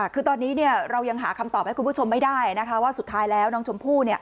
คือตอนนี้เรายังหาคำตอบให้คุณผู้ชมไม่ได้นะคะว่าสุดท้ายแล้วน้องชมพู่